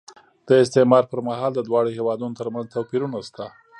د استعمار پر مهال د دواړو هېوادونو ترمنځ توپیرونه شته.